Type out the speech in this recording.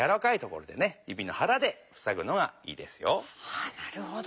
あなるほど。